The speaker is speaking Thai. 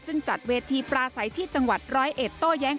ซึ่งจัดเวทีปลาใสที่จังหวัดร้อยเอ็ดโต้แย้ง